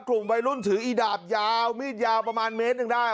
กลุ่มวัยรุ่นถืออีดาบยาวมีดยาวประมาณเมตรหนึ่งได้